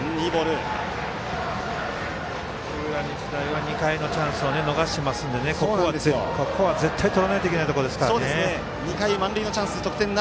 日大は２回のチャンスを逃してますのでここは絶対、取らないといけないところですからね。